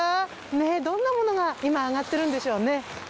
ねぇどんなものが今あがってるんでしょうね。